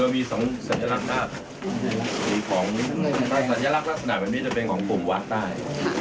มี๒สัญลักษณ์ลักษณะสัญลักษณ์ลักษณะแบบนี้จะเป็นของกลุ่มวัดใต้